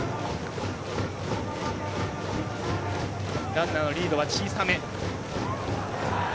ランナーのリードは小さめ。